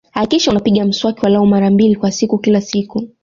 Hakikisha unapiga mswaki walau mara mbili kwa siku kila siku